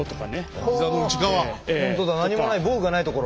本当だ何もない防具がないところ。